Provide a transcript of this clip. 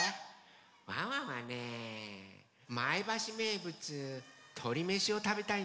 ワンワンはね前橋めいぶつとりめしをたべたいんですけど。